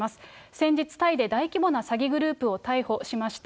先日、タイで大規模な詐欺グループを逮捕しました。